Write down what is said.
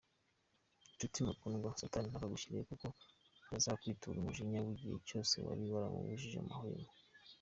Nshuti mukundwa, Satani ntakagushyikire kuko yazakwitura umujinya w’igihe cyose wari waramubujije amahwemo.